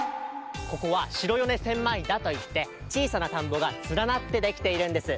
ここは白米千枚田といってちいさなたんぼがつらなってできているんです。